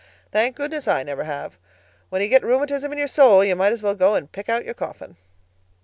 Thank goodness, I never have. When you get rheumatism in your soul you might as well go and pick out your coffin."